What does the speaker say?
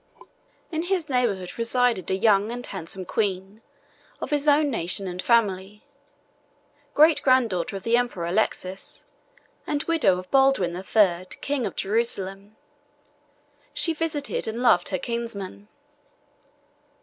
In his neighborhood resided a young and handsome queen, of his own nation and family, great granddaughter of the emperor Alexis, and widow of Baldwin the Third, king of Jerusalem. She visited and loved her kinsman.